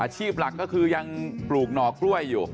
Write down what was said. ชีพหลักก็คือยังปลูกหน่อกล้วยอยู่